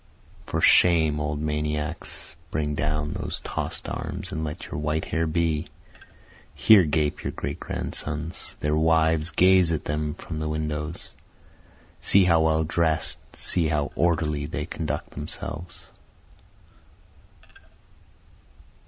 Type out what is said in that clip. For shame old maniacs bring down those toss'd arms, and let your white hair be, Here gape your great grandsons, their wives gaze at them from the windows, See how well dress'd, see how orderly they conduct themselves.